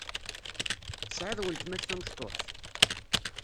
Tesɛiḍ weltma-k tamecṭuḥt?